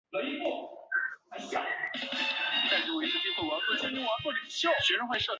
之后林瑟康进入华盛顿大学学习。